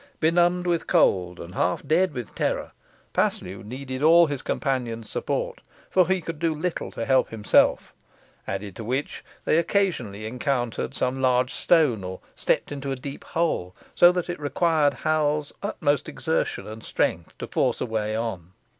Benumbed with cold, and half dead with terror, Paslew needed all his companion's support, for he could do little to help himself, added to which, they occasionally encountered some large stone, or stepped into a deep hole, so that it required Hal's utmost exertion and strength to force a way on.